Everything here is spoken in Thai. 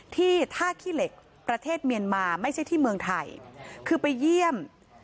ที่ท่าขี้เหล็กประเทศเมียนมาไม่ใช่ที่เมืองไทยคือไปเยี่ยม